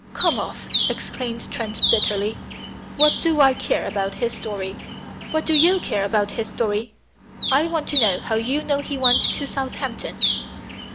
"Come off!" exclaimed Trent bitterly. "What do I care about his story? What do you care about his story? I want to know how you know he went to Southampton."